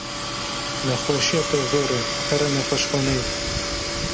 Nexweşiya te zor e here nexweşxaneyê.